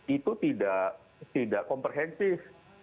itu tidak tidak komprehensif